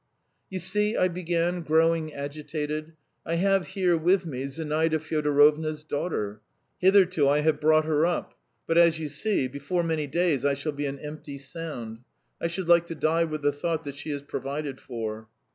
"You see," I began, growing agitated, "I have here with me Zinaida Fyodorovna's daughter. ... Hitherto I have brought her up, but, as you see, before many days I shall be an empty sound. I should like to die with the thought that she is provided for."